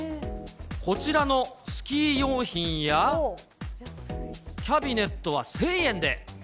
こちらのスキー用品や、キャビネットは１０００円で。